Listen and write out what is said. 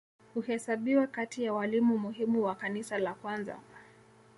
Huhesabiwa kati ya walimu muhimu wa Kanisa la kwanza.